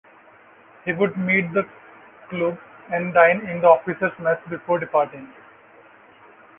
He would meet with Kluge, and dine in the officers' mess before departing.